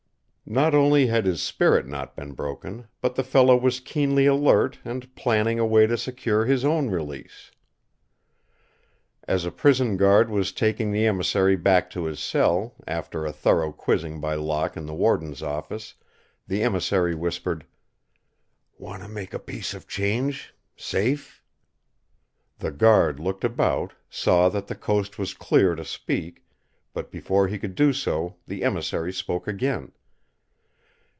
Not only had his spirit not been broken, but the fellow was keenly alert and planning a way to secure his own release. As a prison guard was taking the emissary back to his cell, after a thorough quizzing by Locke in the warden's office, the emissary whispered: "Want to make a piece of change safe?" The guard looked about, saw that the coast was clear to speak, but before he could do so the emissary spoke again.